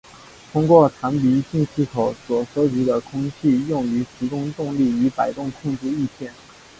通过弹鼻进气口所收集的空气用于提供动力以摆动控制翼片。